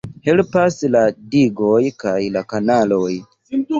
Helpas la digoj kaj la kanaloj.